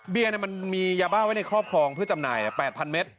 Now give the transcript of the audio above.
เบี้ยเนี่ยมันมียาบ้าไว้ในครอบครองเพื่อจำหน่าย๘๐๐๐เมตร